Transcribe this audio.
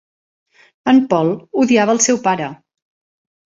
En Paul odiava el seu pare.